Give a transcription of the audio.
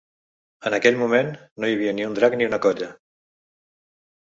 En aquell moment no hi havia ni un drac, ni una colla.